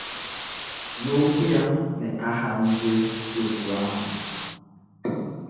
N'okwu ya n'aha ndị òtù ahụ